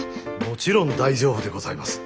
もちろん大丈夫でございます。